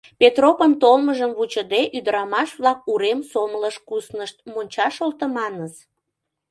Петропын толмыжым вучыде, ӱдырамаш-влак урем сомылыш куснышт — мончаш олтыманыс!